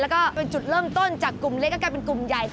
แล้วก็เป็นจุดเริ่มต้นจากกลุ่มเล็กก็กลายเป็นกลุ่มใหญ่